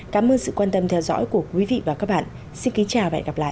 cảm ơn sự quan tâm theo dõi của quý vị và các bạn xin kính chào và hẹn gặp lại